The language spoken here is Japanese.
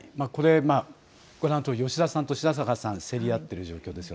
ご覧のとおり吉田さんと白坂さん、競り合っている状況です。